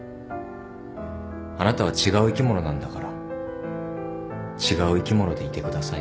あなたは違う生き物なんだから違う生き物でいてください。